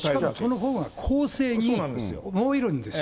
そのほうが公正に思えるんですよ。